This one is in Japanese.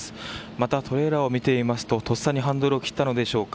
また、トレーラーを見てみますととっさにハンドルを切ったのでしょうか。